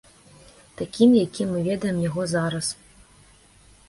Такім, якім мы ведаем яго зараз.